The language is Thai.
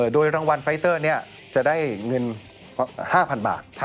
โดยรางวัลไฟเตอร์นี้จะได้เงิน๕๐๐๐บาท